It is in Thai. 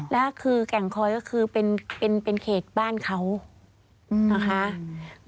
แล้วคือแก่งคอยก็คือเป็นเขตบ้านเขานะคะ